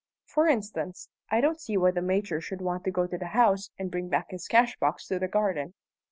"For instance, I don't see why the Major should want to go to the house and bring back his cashbox to the garden.